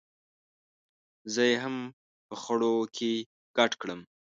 زه یې هم په خړو کې ګډ کړم.